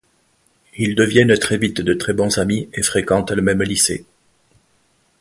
Ils deviennent très vite de très bons amis et fréquentent le même lycée.